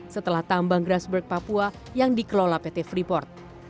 setelah tambang grassberg papua yang dikelola pt freeport